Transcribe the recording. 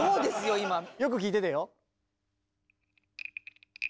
よく聴いててよ。